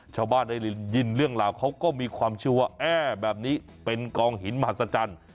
ชาวบ้านได้ยินเรื่องราวเขาก็มีความเชื่อว่าแอ้แบบนี้เป็นกองหินมหัศจรรย์